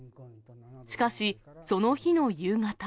しかし、その日の夕方。